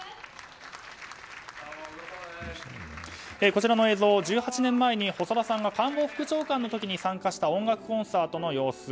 こちらの映像、１８年前に細田さんが官房副長官の時に参加した音楽コンサートの様子。